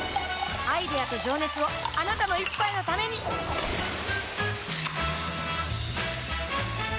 アイデアと情熱をあなたの一杯のためにプシュッ！